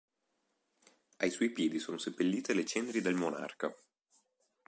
Ai suoi piedi sono seppellite le ceneri del monarca.